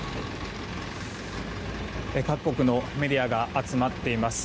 各国のメディアが集まっています。